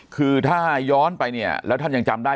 คือถ้าย้อนไปเนี่ยแล้วท่านยังจำได้